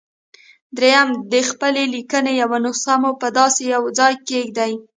درېيم د خپلې ليکنې يوه نسخه مو په داسې يوه ځای کېږدئ.